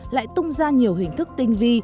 lại tung ra nhiều hình thức tinh vi